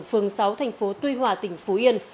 phường sáu thành phố tuy hòa tỉnh phú yên